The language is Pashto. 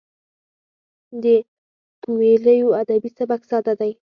د کویلیو ادبي سبک ساده دی.